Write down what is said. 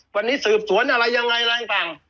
วันนี้สืบสวนอะไรยังไงอะไรต่าง